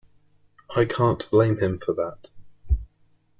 I can't blame him for that.